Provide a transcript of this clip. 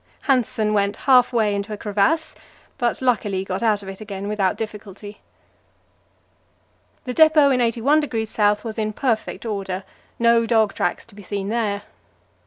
Hanssen went halfway into a crevasse, but luckily got out of it again without difficulty. The depot in 81° S. was in perfect order; no dog tracks to be seen there.